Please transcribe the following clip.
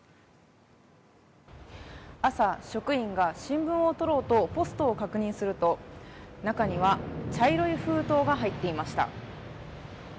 朝、職員が新聞を取ろうとポストを確認すると中には茶色い封筒が入っていました。